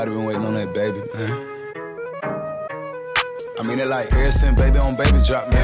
dia yang ngikutin gue